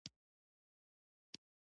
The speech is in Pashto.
چرګان د تودوخې پر وخت وزرونه پراخوي.